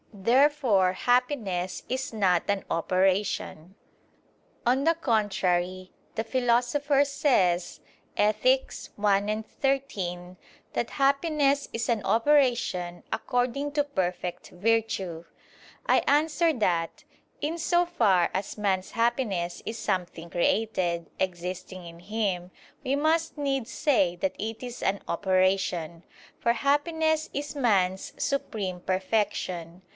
Therefore happiness is not an operation. On the contrary, The Philosopher says (Ethic. i, 13) that "happiness is an operation according to perfect virtue." I answer that, In so far as man's happiness is something created, existing in him, we must needs say that it is an operation. For happiness is man's supreme perfection.